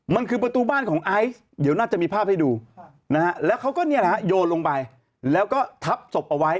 มันคือประตูบ้านของไอซ์เดี๋ยวน่าจะมีภาพให้ดูนะฮะแล้วเขาก็โยนลงไปแล้วก็ทับศพเอาไว้